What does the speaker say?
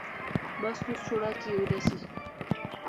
بس تس چھوڑا، کی ہوئی رہسی